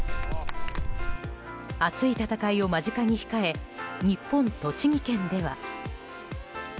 熱い戦いを間近に控え日本、栃木県では。